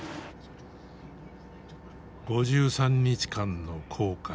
５３日間の航海。